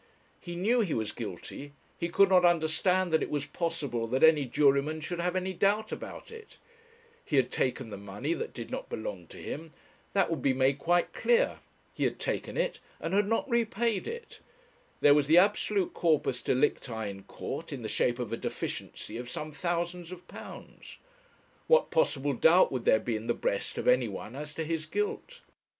He knew he was guilty, he could not understand that it was possible that any juryman should have a doubt about it; he had taken the money that did not belong to him; that would be made quite clear; he had taken it, and had not repaid it; there was the absolute corpus delicti in court, in the shape of a deficiency of some thousands of pounds. What possible doubt would there be in the breast of anyone as to his guilt?